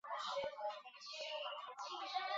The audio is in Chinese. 毛轴亚东杨为杨柳科杨属下的一个变种。